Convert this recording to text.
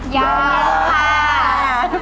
ยังค่ะ